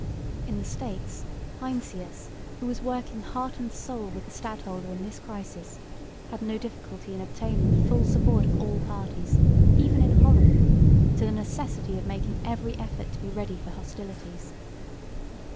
In the States Heinsius, who was working heart and soul with the stadholder in this crisis, had no difficulty in obtaining the full support of all parties, even in Holland, to the necessity of making every effort to be ready for hostilities.